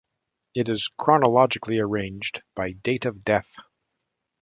It is chronologically arranged by date of death.